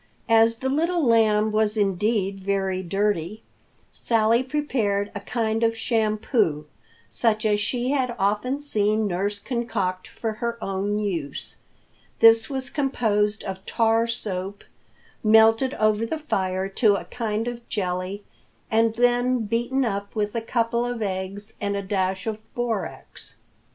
As the Little Lamb was indeed very dirty, Sally prepared a kind of shampoo, such as she had often seen nurse concoct for her own use. This was composed of tar soap, melted over the fire to a kind of jelly, and then beaten up with a couple of eggs and a dash of borax.